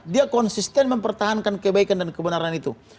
dia konsisten mempertahankan kebaikan dan kebenaran itu